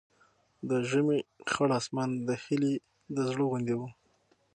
د ژمي خړ اسمان د هیلې د زړه غوندې و.